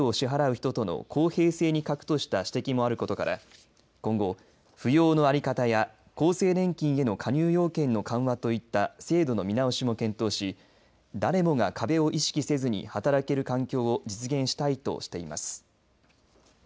保険料を支払う人との公平性に欠くとした指摘もあることから今後、扶養の在り方や厚生年金への加入要件の緩和といった制度の見直しも検討し誰もが壁を意識せずに働ける環境を実現したいとしています。